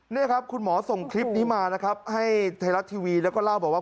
นี่ครับคุณหมอส่งคลิปนี้มานะครับให้ไทยรัฐทีวีแล้วก็เล่าบอกว่า